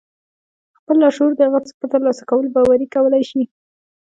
خپل لاشعور د هغه څه په ترلاسه کولو باوري کولای شئ.